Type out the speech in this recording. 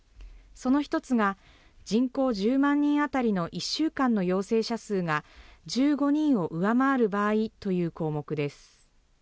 その一つが、人口１０万人当たりの１週間の陽性者数が１５人を上回る場合という項目です。